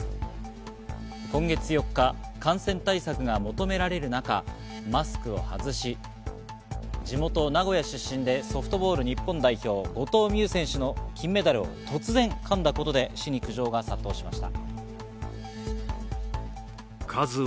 今月４日、感染対策が求められる中、マスクを外し、地元名古屋出身でソフトボール日本代表、後藤希友選手の金メダルを突然噛んだことで市に苦情が殺到しました。